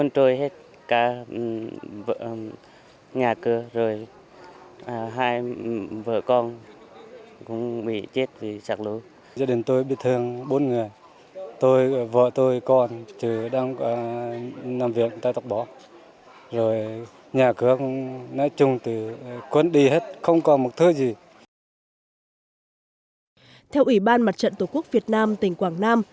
theo ủy ban mặt trận tổ quốc việt nam tỉnh quảng nam